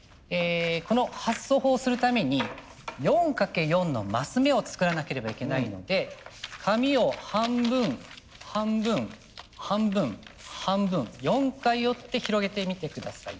この発想法をするために４掛け４のマス目を作らなければいけないので紙を半分半分半分半分４回折って広げてみて下さい。